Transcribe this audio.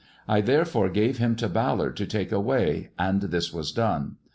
I therefore gave him to Ballard to take away, and this was done.